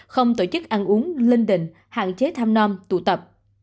không tổ chức ăn uống linh định hạn chế thăm non tụ tập